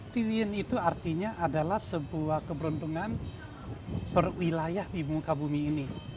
ti yun itu artinya adalah sebuah keberuntungan berwilayah di muka bumi ini